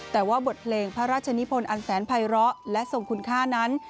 แต่ว่าบทเพลงพระราชนิพลอันแสนภัยร้อและทรงคุณค่านั้น